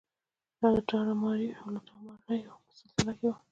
دا د داړه ماریو او لوټماریو په سلسله کې وه.